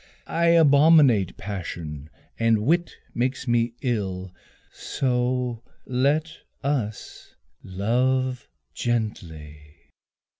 I abominate passion and wit makes me ill. So let us love gently.